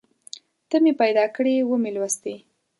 ته مې پیدا کړې ومې لوستې